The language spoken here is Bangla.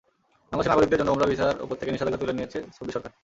বাংলাদেশের নাগরিকদের জন্য ওমরাহ ভিসার ওপর থেকে নিষেধাজ্ঞা তুলে নিয়েছে সৌদি সরকার।